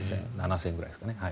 ６０００、７０００ぐらいですかね。